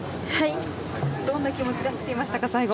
どんな気持ちで走っていましたか、最後。